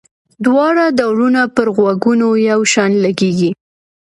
دواړه ډولونه پر غوږونو یو شان لګيږي.